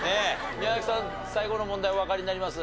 宮崎さん最後の問題おわかりになります？